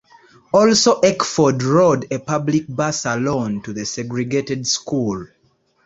Also, Eckford rode a public bus alone to the segregated school.